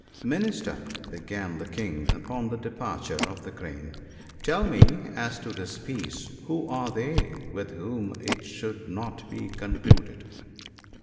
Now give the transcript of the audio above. * Minister !' began the King, upon the departure of the Crane, ' tell me as to this peace, who are they with whom it should not be concluded